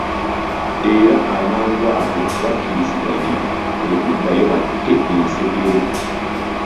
Era amangu ago bakkiriziganya okuddayo batte ensekere.